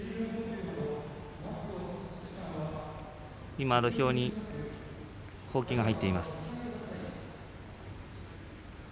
今、土俵にほうきが入っています。